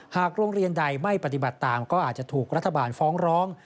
โรงเรียนใดไม่ปฏิบัติตามก็อาจจะถูกรัฐบาลฟ้องร้อง